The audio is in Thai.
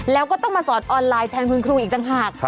แล้วก็ต้องมาสอนออนไลน์แทนคุณครูอีกต่างหาก